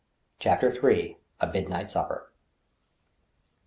CHAPTER HI. A MIDNIGHT SUPPER.